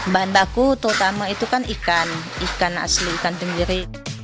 bahan baku terutama itu kan ikan ikan asli ikan tenggiri